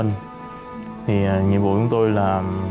thì nhiệm vụ của chúng tôi là